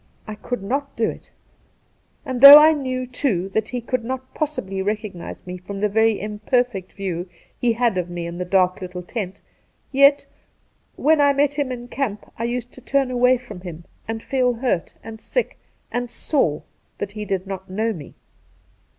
I could not do it. And though I knew, too, that he could not possibly recognise me from the very imperfect view he had of me in the dark little tent, yet when I met him in camp I used to turn away from him and feel hurt and sick and sore that he did not know me.